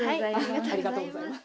ありがとうございます。